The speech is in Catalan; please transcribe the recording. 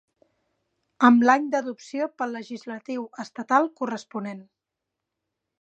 Amb l'any d'adopció pel legislatiu estatal corresponent.